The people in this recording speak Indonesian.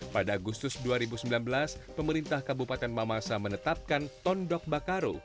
pada agustus dua ribu sembilan belas pemerintah kabupaten mamasa menetapkan tondok bakaro